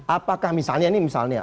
apakah misalnya ini misalnya